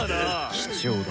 貴重だ。